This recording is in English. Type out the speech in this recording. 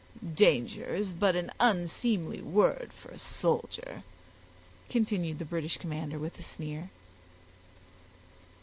"Danger is but an unseemly word for a soldier," continued the British commander with a sneer.